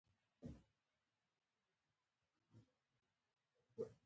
لوستل ذهن پیاوړی کوي.